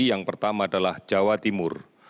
yang pertama adalah jawa timur